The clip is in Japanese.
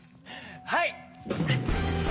はい！